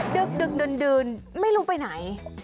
ดึกดื่นไม่รู้ไปไหน